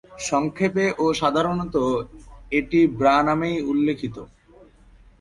সংক্ষেপে ও সাধারণত এটি ব্রা নামেই উল্লেখিত।